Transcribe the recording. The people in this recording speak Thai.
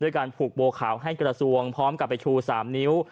การผูกโบขาวให้กระทรวงพร้อมกับไปชู๓นิ้ว